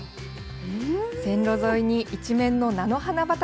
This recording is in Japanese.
線路沿いに一面の菜の花畑。